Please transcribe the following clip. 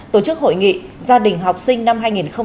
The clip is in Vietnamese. tổ chức hội nghị gia đình học sinh năm hai nghìn hai mươi